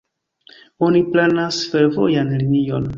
Oni planas fervojan linion.